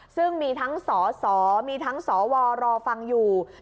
ซึ่งมีทั้งสอสอมีทั้งสอวอรอฟังอย่างนี้